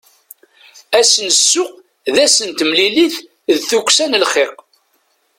Ass n ssuq d ass n temlilit d tukksa n lxiq.